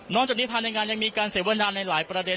นอนจากนี้พาไปได้งานยังมีการเสี่ยวนานในหลายประเด็น